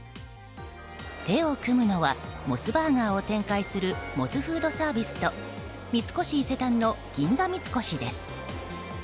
手を組むのはモスバーガーを展開するモスフードサービスと三越伊勢丹の銀座三越です。